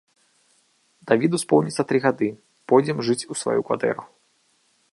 Давіду споўніцца тры гады, пойдзем жыць у сваю кватэру.